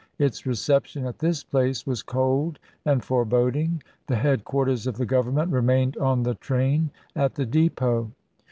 Its reception at this place was cold and foreboding. The headquarters of the government remained on the train at the depot.